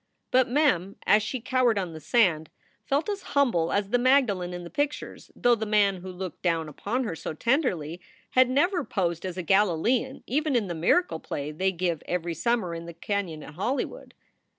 But Mem, as she cowered on the sand, felt as humble as the Magdalen in the pictures, though the man who looked down upon her so tenderly had never posed as a Galilean even in the Miracle Play they give every summer in the canon at Hollywood.